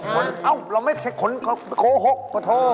เราไม่ถึงคนโคหกพอโทร